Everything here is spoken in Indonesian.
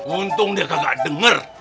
untung dia kagak denger